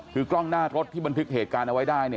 คือกล้องหน้ารถที่บรรพิกเหตุการณ์